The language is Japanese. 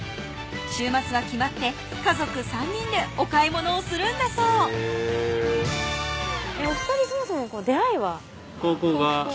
週末は決まって家族３人でお買い物をするんだそうお２人そもそも出会いは？